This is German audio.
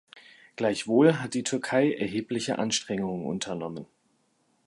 Gleichwohl hat die Türkei erhebliche Anstrengungen unternommen.